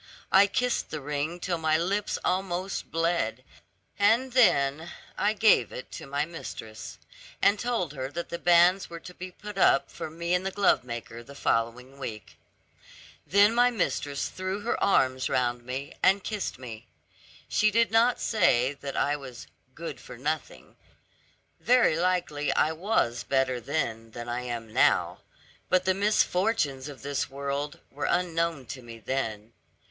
I kissed the ring till my lips almost bled, and then I gave it to my mistress, and told her that the banns were to be put up for me and the glovemaker the following week. Then my mistress threw her arms round me, and kissed me. She did not say that I was 'good for nothing;' very likely I was better then than I am now; but the misfortunes of this world, were unknown to me then.